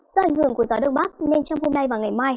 do ảnh hưởng của gió đông bắc nên trong hôm nay và ngày mai